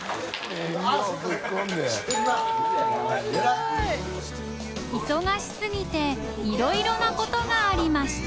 稻擦靴垢いろいろなことがありました